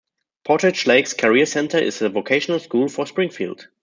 Portage Lakes Career Center is the vocational school for Springfield.